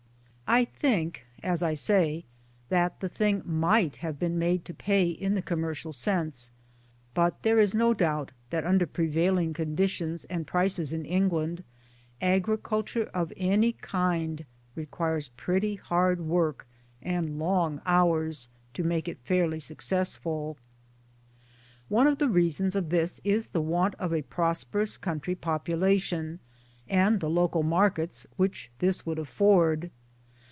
I think, as I say, that the thing might have been made to pay in the commercial sense but there is no doubt that under prevailing con ditions and prices in England, agriculture of any kind requires pretty hard work and long hours to make it fairly successful. One of the reasons of this is the want of a prosperous country population and the local markets which this would afford.